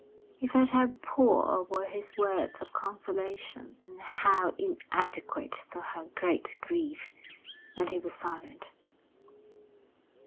He felt how poor were his words of consolation, and how inadequate to her great grief, and he was silent.